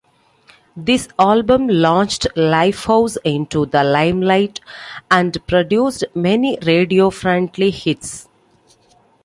This album launched Lifehouse into the limelight, and produced many radio-friendly hits.